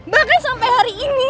bahkan sampai hari ini